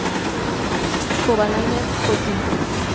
Kovalainen fue quinto.